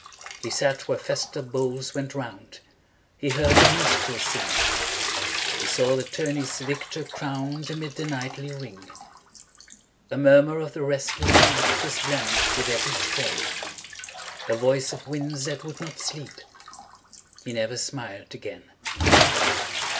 He sat where festal bowls went round; He heard the minstrel sing; He saw the tour ney's victor crowned Amid the knightly ring. A murmur of the restless deep Was blent with every strain, A voice of winds that would not sleep He never smiled again.